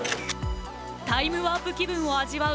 タイムワープ気分を味わう